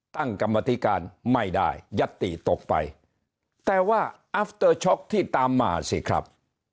ตั้งกรรมธิการไม่ได้ยัตติตกไปแต่ว่าที่ตามมาสิครับ